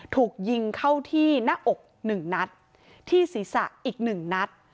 ถูกยิงเข้าที่หน้าอกหนึ่งนัดที่ศีรษะอีกหนึ่งนัด